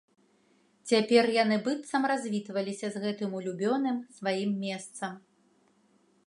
Цяпер яны быццам развітваліся з гэтым улюбёным сваім месцам.